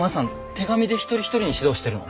手紙で一人一人に指導してるの？